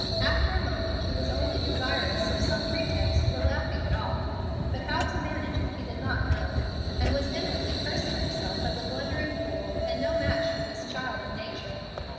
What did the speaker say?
After a moment he was only desirous of some pretext for laughing it off, but how to manage it he did not know, and was inwardly cursing himself as a blundering fool, and no match for this child of nature.